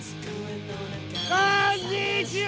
こんにちは！！